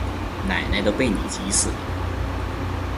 奶奶都被你急死了